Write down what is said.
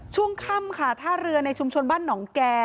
ช่วงค่ำค่ะท่าเรือในชุมชนบ้านหนองแก่